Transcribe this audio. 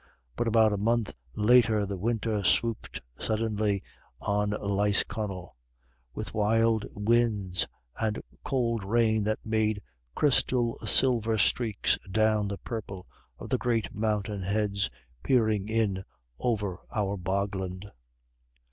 But about a month later the winter swooped suddenly on Lisconnel: with wild winds and cold rain that made crystal silver streaks down the purple of the great mountainheads peering in over our bogland.